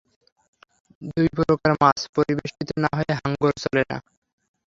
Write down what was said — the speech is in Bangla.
এই দুইপ্রকার মাছ পরিবেষ্টিত না হয়ে হাঙ্গর চলেন না।